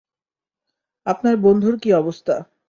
আপনার বন্ধুর কি অবস্থা?